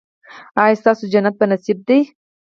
ایا ستاسو جنت په نصیب دی؟